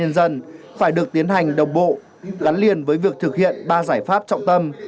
nhân dân phải được tiến hành đồng bộ gắn liền với việc thực hiện ba giải pháp trọng tâm